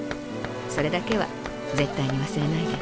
それだけは絶対に忘れないで」。